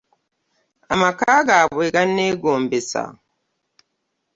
Amaka gabwe ganegombesa.